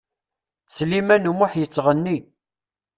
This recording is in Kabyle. Sliman U Muḥ yettɣenni.